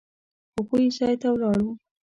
هغوی ځای ته ولاړو.